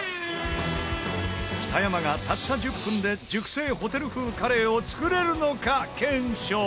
北山がたった１０分で熟成ホテル風カレーを作れるのか検証。